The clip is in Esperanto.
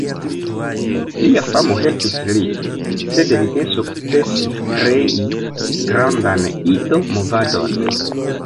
Lia famo helpis lin; sed li ne sukcesis krei grandan Ido-movadon.